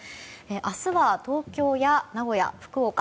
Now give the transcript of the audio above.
明日は東京や名古屋、福岡